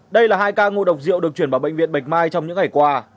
đây là hai ca ngộ độc rượu được chuyển vào bệnh viện bạch mai trong những ngày qua